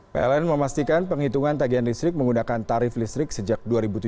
pln memastikan penghitungan tagihan listrik menggunakan tarif listrik sejak dua ribu tujuh belas